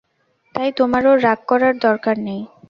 তাই তোমারও রাগ করার দরকার নেই।